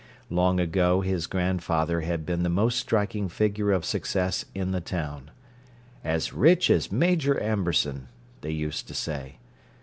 Long ago his grandfather had been the most striking figure of success in the town: "As rich as Major Amberson!" they used to say.